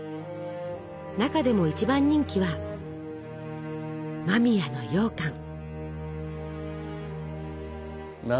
中でも一番人気は間宮のようかん。